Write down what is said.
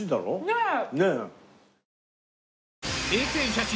ねえ。